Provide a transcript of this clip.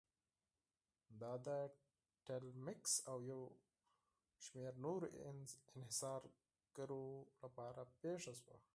دا د ټیلمکس او یو شمېر نورو انحصارګرو لپاره پېښه شوه.